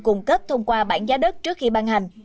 cung cấp thông qua bảng giá đất trước khi ban hành